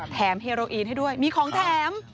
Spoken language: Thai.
เฮโรอีนให้ด้วยมีของแถม